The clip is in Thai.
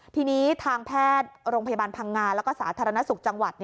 ทีนี้ทางแพทย์โรงพยาบาลพังงาแล้วก็สาธารณสุขจังหวัด